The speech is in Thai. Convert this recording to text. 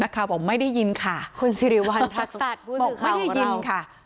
นะครับผมไม่ได้ยินค่ะคุณสิริวัณฑรักษัตริย์ไม่ได้ยินค่ะ